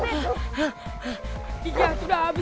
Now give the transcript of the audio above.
maka dia udah kembali